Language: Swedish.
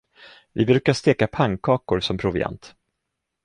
Vi brukar steka pannkakor som proviant.